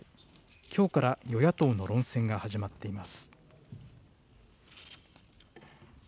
きょうから与野党の論戦が始まっています。